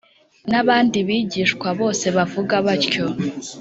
N’abandi bigishwa bose bavuga batyo.